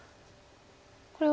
これは。